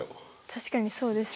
確かにそうですね。